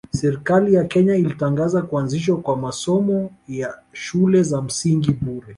Serikali ya Kenya ilitangaza kuanzishwa kwa masomo ya shule za msingi bure